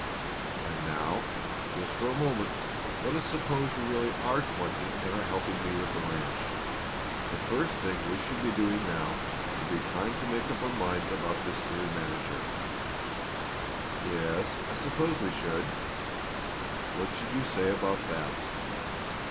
"And now, just for a moment, let us suppose you really are twenty and are helping me with the ranch. The first thing we should be doing now would be trying to make up our minds about this new manager." "Yes, I suppose we should." "What should you say about that?"